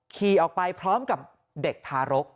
ขี่ออกไปพร้อมกับเด็กทารก